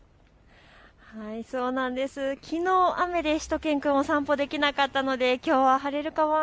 きのう雨でしゅと犬くん、お散歩できなかったのできょうは晴れるか